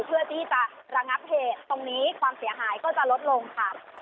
เพื่อที่จะระงับเหตุตรงนี้ความเสียหายก็จะลดลงค่ะ